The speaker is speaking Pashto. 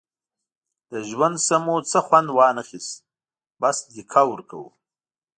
له ژوند نه مو څه وخوند وانخیست، بس دیکه ورکوو.